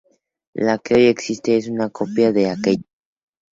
La que hoy existe es una copia de aquella.